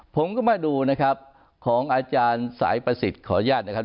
ผมก็มาดูนะครับของอาจารย์สายประสิทธิ์ขออนุญาตนะครับ